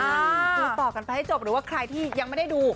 ดูต่อกันไปให้จบหรือว่าใครที่ยังไม่ได้ดู